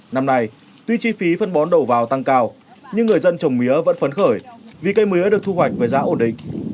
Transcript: năm nay tuy chi phí phân bón đổ vào tăng cao nhưng người dân trồng mía vẫn phấn khởi vì cây mía đã được thu hoạch với giá ổn định